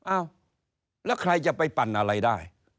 อ้าวแล้วใครจะไปปั่นอะไรได้